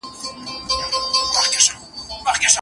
آیا دا کار به ښه معاشرت او مناسب عمل وي؟